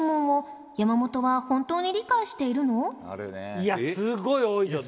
いやすごい多いですよ。